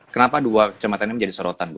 kenapa dua kecamatan ini menjadi sorotan bu